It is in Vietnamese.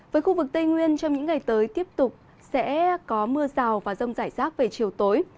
với khu vực tây nguyên trong những ngày tới tiếp tục sẽ có mưa rào và rông rải rác về chiều tối